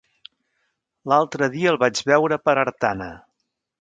L'altre dia el vaig veure per Artana.